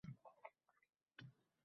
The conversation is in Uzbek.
U soatni egasiga qaytardingiz.